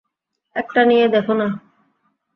একটা নিয়েই দেখো না?